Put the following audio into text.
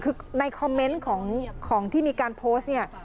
คือในคอมเมนต์ของที่มีการโพสต์เนี่ย